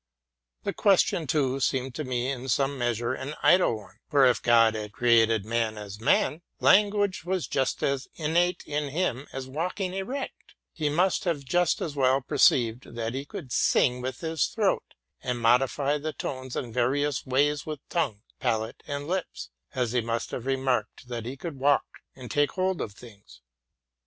The question, too, seemed to me idle in some measure ; for, if God had created man as man, language was just as innate in him as walking erect: he must have just as well perceived that he could sing with his throat, and modify the tones in various ways with tongue, palate, and lips, as he must have remarked that he could walk, and take hold of things.